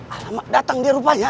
alamak datang dia rupanya